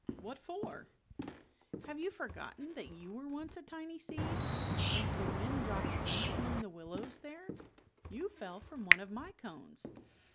"What for?" " Have you forgotten that you were once a tiny seed ? and that the r wind dropped you among the wil lows there? You fell from one of my cones."